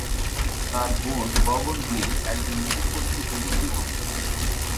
তার বোন গগন গিল একজন সুপরিচিত হিন্দী কবি।